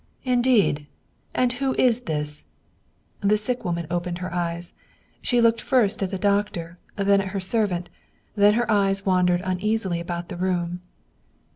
" Indeed? And who is this " The sick woman opened her eyes. She looked first at the doctor then at her servant, then her eyes wandered uneasily about the room.